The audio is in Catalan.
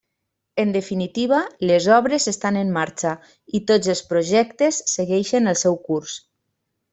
En definitiva, les obres estan en marxa i tots els projectes segueixen el seu curs.